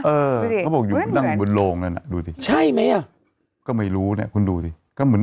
เออเขาบอกอยู่นั่งบนโลงนั่นอ่ะดูสิใช่ไหมอ่ะก็ไม่รู้เนี่ยคุณดูสิก็เหมือน